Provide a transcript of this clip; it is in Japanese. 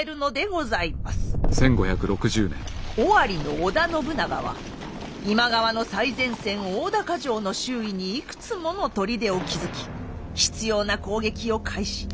尾張の織田信長は今川の最前線大高城の周囲にいくつもの砦を築き執拗な攻撃を開始。